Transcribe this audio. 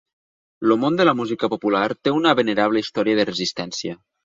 El món de la música popular té una venerable història de resistència.